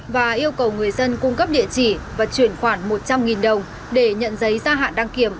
và yêu cầu người dân cung cấp địa chỉ và chuyển khoản một trăm linh đồng để nhận giấy ra hạn đăng kiểm